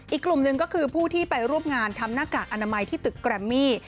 อีกกลุ่มหนึ่งก็คือผู้ที่ไปร่วมงานทำหน้ากากอนามัยที่ตึกแกรมมี่